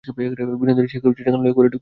বিনোদিনী সেই চিঠিখানা লইয়া ঘরে ঢুকিল।